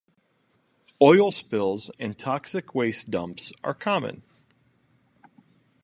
Oil spills and toxic waste dumps are common.